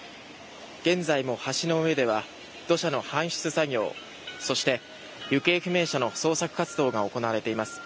現在も橋の上では土砂の搬出作業そして、行方不明者の捜索活動が行われています。